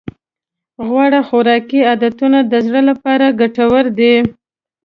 غوره خوراکي عادتونه د زړه لپاره ګټور دي.